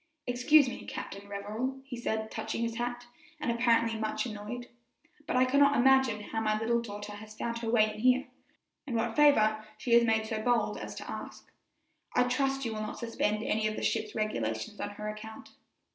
"Excuse me, Captain Revell," he said, touching his hat, and apparently much annoyed, "but I cannot imagine how my little daughter has found her way in here, or what favor she has made so bold as to ask. I trust you will not suspend any of the ship's regulations on her account."